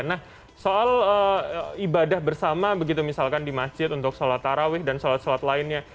nah soal ibadah bersama begitu misalkan di masjid untuk sholat tarawih dan sholat sholat lainnya